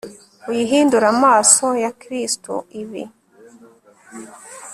uyihindure amaraso ya kristu, ibi